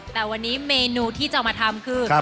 แต่วันนี้เมนูที่จะเอามาทำคือ